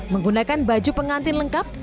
menggunakan baju pengantin lengkap